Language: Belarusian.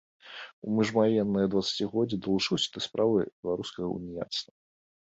У міжваеннае дваццацігоддзе далучыўся да справы беларускага ўніяцтва.